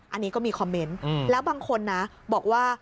อันนี้ก็มีคอมเมนต์แล้วบางคนนะบอกว่า